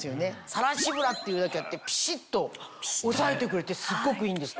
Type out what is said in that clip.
さらしブラっていうだけあってピシっとおさえてくれてすっごくいいんです。